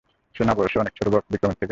সে না বয়সে অনেক ছোট বিক্রমের থেকে?